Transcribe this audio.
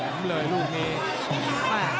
แหลมเลยลูกมี